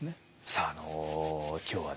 さあ今日はですね